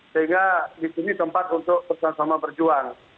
sehingga di sini tempat untuk bersama sama berjuang